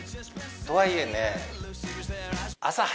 とはいえね。